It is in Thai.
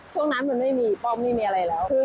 ช่วงนั้นมีปำไม่ทำอะไร